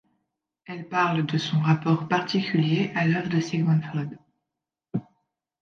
Elle parle de son rapport particulier à l'œuvre de Sigmund Freud.